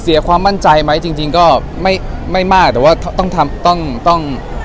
ความมั่นใจไหมจริงจริงก็ไม่ไม่มากแต่ว่าต้องทำต้องต้อง